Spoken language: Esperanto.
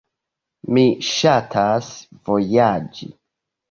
Mi ŝatas vojaĝi.